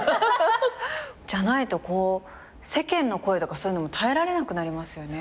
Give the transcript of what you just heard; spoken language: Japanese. じゃないとこう世間の声とかそういうのも耐えられなくなりますよね。